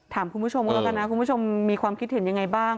ถามคุณผู้ชมก็แล้วกันนะคุณผู้ชมมีความคิดเห็นยังไงบ้าง